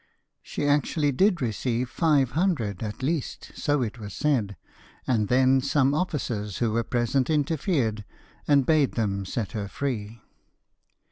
She actually did receive five hundred, at least, so it was said, and then some officers who were present interfered, and bade them set her free.